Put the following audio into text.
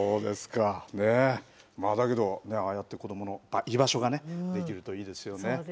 でも、ああやって子ども、居場所がね、できるといいですよね。